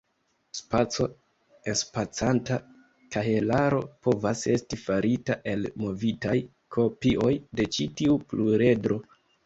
Spaco-enspacanta kahelaro povas esti farita el movitaj kopioj de ĉi tiu pluredro.